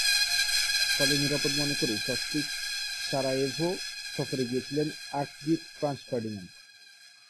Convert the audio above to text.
ফলে নিরাপদ মনে করেই সস্ত্রীক সারায়েভো সফরে গিয়েছিলেন আর্কডিউক ফ্রাঞ্জ ফার্ডিনান্ড।